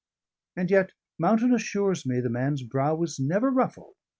And yet Mountain assures me the man's brow was never ruffled.